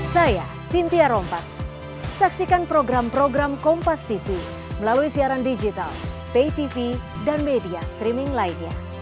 saya sintia rompas saksikan program program kompastv melalui siaran digital paytv dan media streaming lainnya